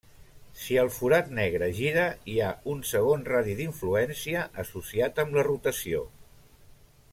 Si el forat negre gira, hi ha un segon radi d'influència associat amb la rotació.